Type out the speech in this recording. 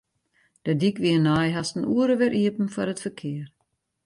De dyk wie nei hast in oere wer iepen foar it ferkear.